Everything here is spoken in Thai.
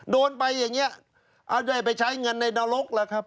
โดนไปอย่างนี้เอาได้ไปใช้เงินในนรกล่ะครับ